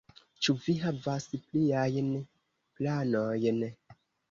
Ĉu vi havas pliajn planojn?